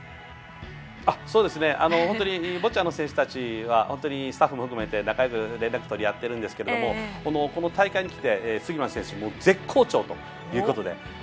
本当にボッチャの選手たちはスタッフも含めて仲よく連絡取り合っているんですけどこの大会に来て、杉村選手絶好調ということで。